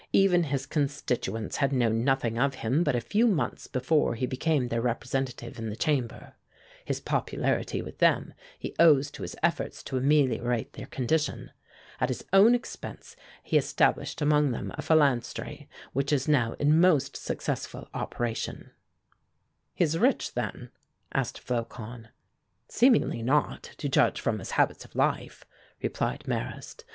Even his constituents had known nothing of him but a few months before he became their representative in the Chamber. His popularity with them he owes to his efforts to ameliorate their condition. At his own expense he established among them a Phalanstrie, which is now in most successful operation." "He is rich, then?" asked Flocon. "Seemingly not, to judge from his habits of life," replied Marrast.